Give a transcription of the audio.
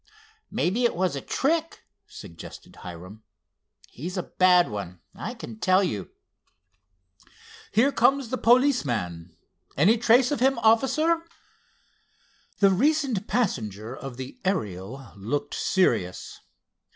"Maybe it was a trick," suggested Hiram. "He's a bad one, I can tell you." "Here comes the policeman. Any trace of him, officer?" The recent passenger of the Ariel looked serious.